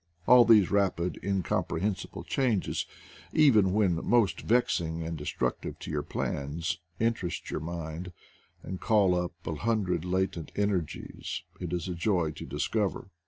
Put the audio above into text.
All these rapid incomprehensible changes, even 86 IDLE DATS IN PATAGONIA: when most vexing and destructive to your plans, interest your mind, and call up a hundred latent energies it is a joy to discover.